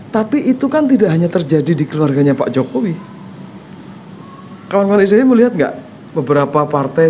tapi itu kan tidak hanya terjadi di keluarganya pak jokowi kawan kawan saya melihat enggak beberapa partai